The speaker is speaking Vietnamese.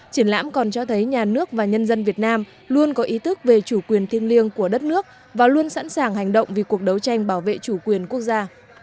triển lãm còn cho thấy nhà nước và nhân dân việt nam luôn có ý thức về chủ quyền thiêng liêng của đất nước và luôn sẵn sàng hành động vì cuộc đấu tranh bảo vệ chủ quyền quốc gia